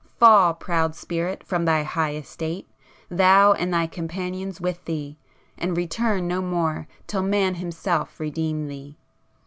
Fall, proud Spirit from thy high estate!—thou and thy companions with thee!—and return no more till Man himself redeem thee!